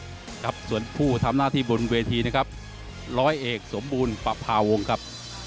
ครับส่วนผู้ทำหน้าที่บนเวทีนะครับร้อยเอกสมบูรณ์ประพาวงครับ